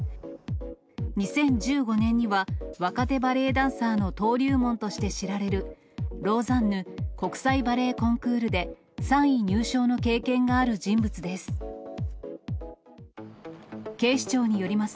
２０１５年には、若手バレエダンサーの登竜門として知られる、ローザンヌ国際バレエコンクールで、３位入賞の経験がある人物です。